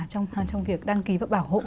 trong việc đăng ký và bảo hộ